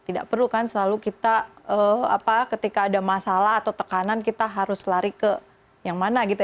tidak perlu kan selalu kita ketika ada masalah atau tekanan kita harus lari ke yang mana gitu